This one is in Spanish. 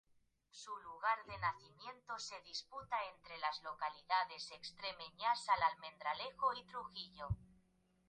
Su lugar de nacimiento se disputa entre las localidades extremeñas de Almendralejo y Trujillo.